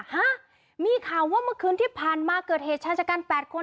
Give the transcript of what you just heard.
ฮะมีข่าวว่าเมื่อคืนที่ผ่านมาเกิดเหตุชายชะกัน๘คน